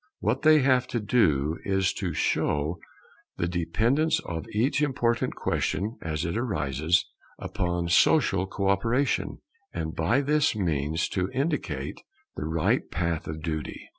What they have to do is to show the dependence of each important question, as it arises, upon social co operation, and by this means to indicate the right path of duty.